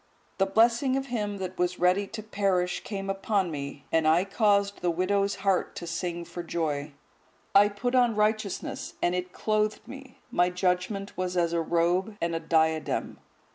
The blessing of him that was ready to perish came upon me, and I caused the widow's heart to sing for joy. I put on righteousness, and it clothed me; my judgement was as a robe and a diadem.